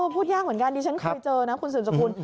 พูดยากเหมือนกันดิฉันเคยเจอนะคุณสืบสกุล